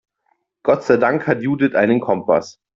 Gott sei Dank hat Judith einen Kompass.